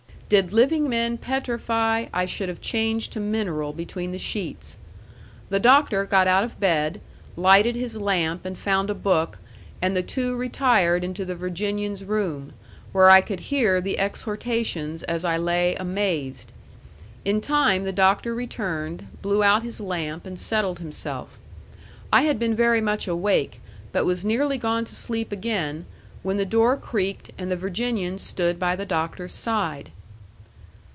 Did living men petrify, I should have changed to mineral between the sheets. The Doctor got out of bed, lighted his lamp, and found a book; and the two retired into the Virginian's room, where I could hear the exhortations as I lay amazed. In time the Doctor returned, blew out his lamp, and settled himself. I had been very much awake, but was nearly gone to sleep again, when the door creaked and the Virginian stood by the Doctor's side.